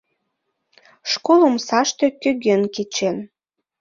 Школ омсаште кӧгӧн кечен.